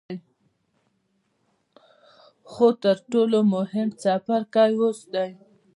خو تر ټولو مهم څپرکی اوس دی.